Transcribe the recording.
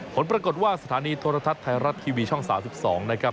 ผลปรากฏว่าสถานีโทรทัศน์ไทยรัฐทีวีช่อง๓๒นะครับ